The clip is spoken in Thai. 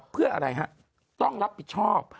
เพื่ออะไรฮะต้องรับผิดชอบ